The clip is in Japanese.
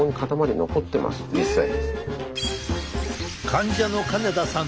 患者の金田さん